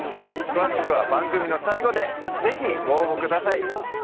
詳しくは番組の最後で是非ご応募ください